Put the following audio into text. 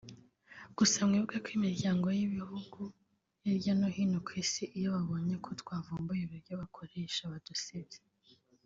gusa mwibuke ko imiryango n’ibihugu hirya no hino ku Isi iyo babonye ko twavumbuye uburyo bakoresha badusebya